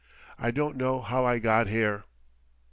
I don't know how I got here."